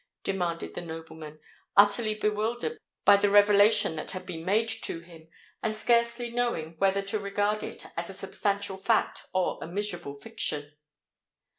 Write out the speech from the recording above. demanded the nobleman, utterly bewildered by the revelation that had been made to him, and scarcely knowing whether to regard it as a substantial fact or a miserable fiction.